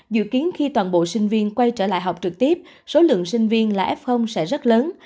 dự kiến khi toàn bộ sinh viên quay trở lại học trực tiếp số lượng sinh viên là f sẽ rất lớn